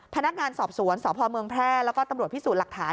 พนักงานสอบสวนสพเมืองแพร่แล้วก็ตำรวจพิสูจน์หลักฐาน